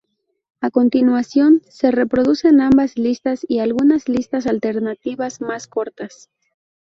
A continuación se reproducen ambas listas y algunas listas alternativas más cortas.